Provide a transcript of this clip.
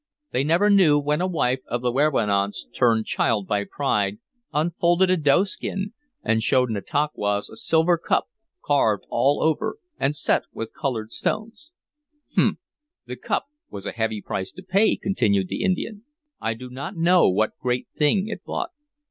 They never knew when a wife of the werowance, turned child by pride, unfolded a doeskin and showed Nantauquas a silver cup carved all over and set with colored stones." "Humph!" "The cup was a heavy price to pay," continued the Indian. "I do not know what great thing it bought."